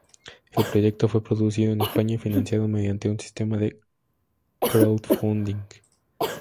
El proyecto fue producido en España y financiado mediante un sistema de crowdfunding.